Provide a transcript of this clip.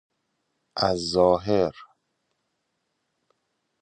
از ظاهر